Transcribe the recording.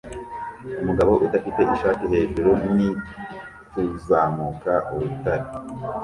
Umugabo udafite ishati hejuru ni kuzamuka urutare